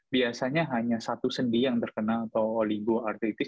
biasanya hanya satu sendi yang terkena atau oligoartritis